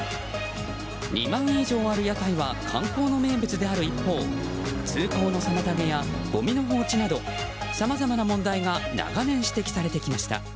２万以上ある屋台は観光の名物である一方通行の妨げや、ごみの放置などさまざまな問題が長年指摘されてきました。